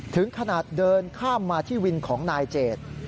ถึงขนาดเดินข้ามมาที่วินของนายเจด